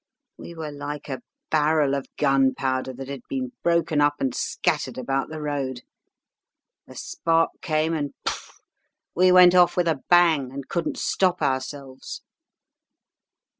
We were like a barrel of gunpowder that had been broken up and scattered about the road. A spark came, and poof! we went off with a bang, and couldn't stop ourselves.